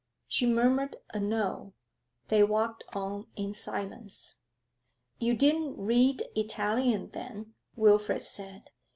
She murmured a 'No.' They walked on in silence. 'You didn't read Italian then,' Wilfrid said.